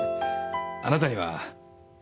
あなたには。